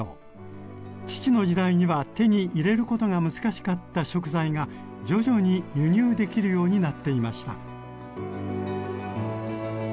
父の時代には手に入れることが難しかった食材が徐々に輸入できるようになっていました。